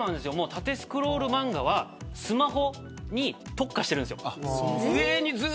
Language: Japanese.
縦スクロール漫画はスマホに特化しているんです。